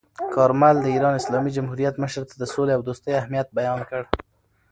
کارمل د ایران اسلامي جمهوریت مشر ته د سولې او دوستۍ اهمیت بیان کړ.